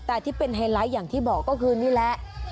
แต่ที่เป็นไฮไลท์อย่างที่บอกก็คือนี่แหละ